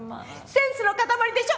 センスの塊でしょ？